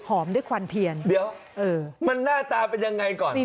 หอมด้วยควันเทียน